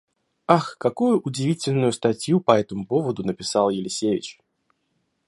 Ах, какую удивительную статью по этому поводу написал Елисевич!